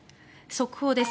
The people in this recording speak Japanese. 速報です。